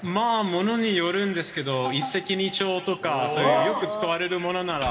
ものによるんですけど、一石二鳥とか、そういうよく使われるものなら。